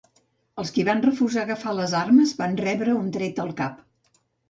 Els qui van refusar agafar les armes van rebre un tret al cap.